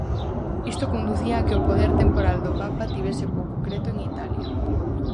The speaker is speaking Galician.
Isto conducía a que o poder temporal do papa tivese pouco creto en Italia.